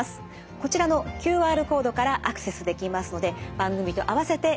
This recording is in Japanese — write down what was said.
こちらのＱＲコードからアクセスできますので番組と併せてご覧ください。